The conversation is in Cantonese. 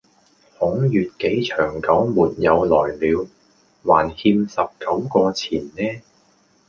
孔乙己長久沒有來了。還欠十九個錢呢